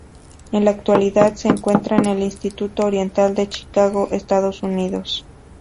En la actualidad se encuentra en el Instituto Oriental de Chicago, Estados Unidos.